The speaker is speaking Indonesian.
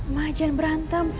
ma jangan berantem